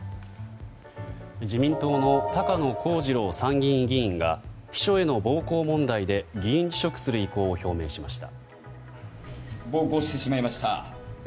自民党の高野光二郎参議院議員が秘書への暴行問題で議員辞職する意向を表明しました。